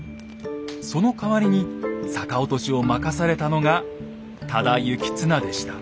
そのかわりに逆落としを任されたのが多田行綱でした。